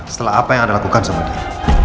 setelah apa yang anda lakukan sama dia